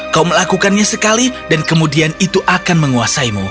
kau melakukannya sekali dan kemudian itu akan menguasaimu